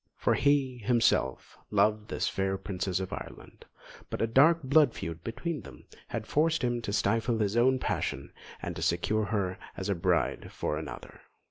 For he, himself, loved this fair Princess of Ireland; but a dark blood feud between them had forced him to stifle his own passion, and to secure her as a bride for another.